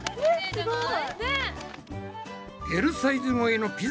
すごい！